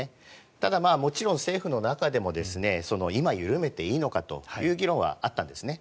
ただ、もちろん政府の中でも今緩めていいのかという議論はあったんですね。